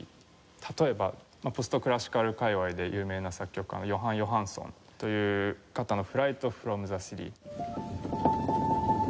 例えばポストクラシカル界隈で有名な作曲家のヨハン・ヨハンソンという方の『フライト・フロム・ザ・シティ』。